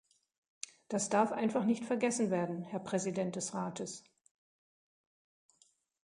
Das darf einfach nicht vergessen werden, Herr Präsident des Rates.